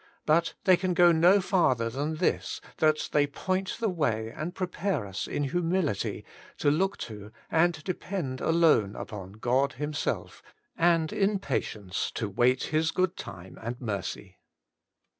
But they can go no farther than this, that they point the way and prepare us in humility to look to and to depend alone upon God Himself, and in patience to wait His good time and mercy.